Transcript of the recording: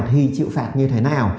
thì chịu phạt như thế nào